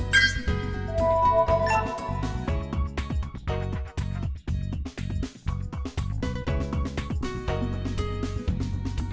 hẹn gặp lại